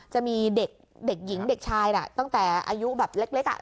จะมีเด็กหญิงเด็กชายน่ะตั้งแต่อายุแบบเล็กอ่ะ